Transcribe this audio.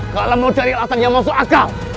kalau mau cari alasan yang masuk akal